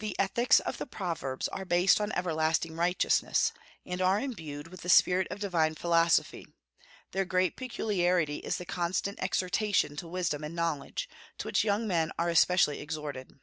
The ethics of the Proverbs are based on everlasting righteousness, and are imbued with the spirit of divine philosophy; their great peculiarity is the constant exhortation to wisdom and knowledge, to which young men are especially exhorted.